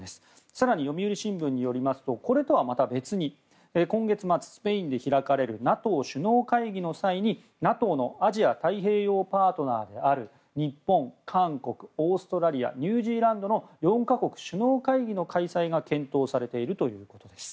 更に、読売新聞によりますとこれとはまた別に今月末、スペインで開かれるＮＡＴＯ首脳会議の際にＮＡＴＯのアジア太平洋パートナーである日本、韓国、オーストラリアニュージーランドの４か国首脳会議の開催が検討されているということです。